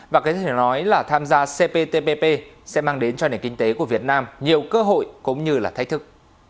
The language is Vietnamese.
và có thể nói là tham gia cptpp sẽ mang đến cho nền kinh tế của việt nam nhiều cơ hội cũng như là thách thức